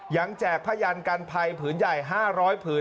แจกผ้ายันกันภัยผืนใหญ่๕๐๐ผืน